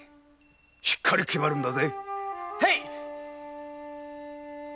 しっかり気ばるんだぜ。